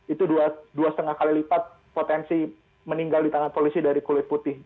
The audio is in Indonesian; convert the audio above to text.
itu dua lima kali lipat potensi meninggal di tangan polisi dari kulit putih